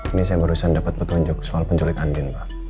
ini saya barusan dapat petunjuk soal penculik andin pak